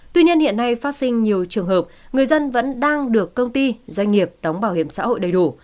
tuy nhiên hiện nay phát sinh nhiều trường hợp người dân vẫn đang được công ty doanh nghiệp đóng bảo hiểm xã hội đầy đủ